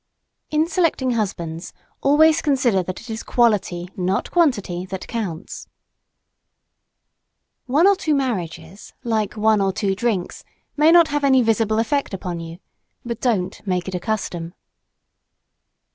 In selecting husbands, always consider that it is quality, not quantity, that counts. One or two marriages, like one or two drinks, may not have any visible effect upon you. But don't make it a custom.